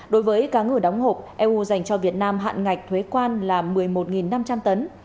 đối với cá ngừ đóng hộp eu dành cho việt nam hạn ngạch thuế quan là một mươi một năm trăm linh tấn